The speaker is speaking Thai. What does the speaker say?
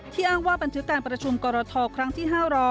อ้างว่าบันทึกการประชุมกรทครั้งที่๕๐๐